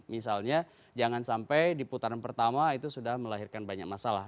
misalnya jangan sampai di putaran pertama itu sudah melahirkan banyak masalah